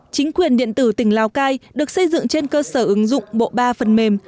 chính quyền điện tử tỉnh lào cai được xây dựng trên cơ sở ứng dụng bộ ba phần mềm